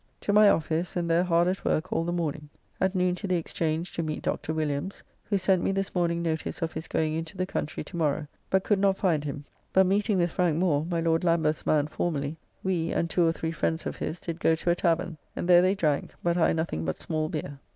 To my office, and there hard at work all the morning. At noon to the Exchange to meet Dr. Williams, who sent me this morning notice of his going into the country tomorrow, but could not find him, but meeting with Frank Moore, my Lord Lambeth's man formerly, we, and two or three friends of his did go to a tavern, and there they drank, but I nothing but small beer.